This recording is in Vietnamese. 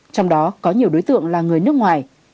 trong đó có nhiều đối tượng là người nước ngoài